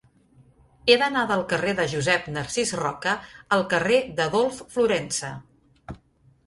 He d'anar del carrer de Josep Narcís Roca al carrer d'Adolf Florensa.